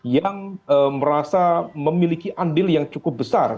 yang merasa memiliki andil yang cukup besar